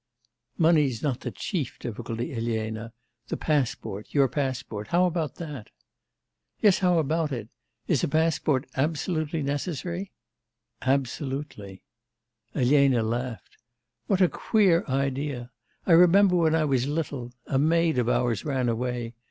'Money's not the chief difficulty, Elena; the passport; your passport, how about that?' 'Yes, how about it? Is a passport absolutely necessary?' 'Absolutely.' Elena laughed. 'What a queer idea! I remember when I was little... a maid of ours ran away.